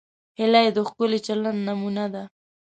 هیلۍ د ښکلي چلند نمونه ده